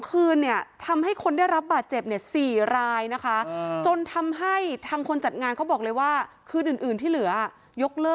๒คืนที่แล้วทำให้คนได้รับบาจเจ็บ๔ราย